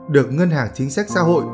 được ngân hàng chính sách xã hội